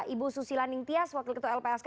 ibu susila ningtyas wakil ketua lpsk